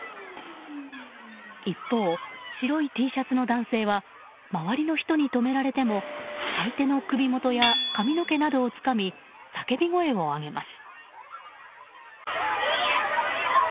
一方、白いＴシャツの男性は周りの人に止められても相手の首元や髪の毛などをつかみ叫び声を上げます。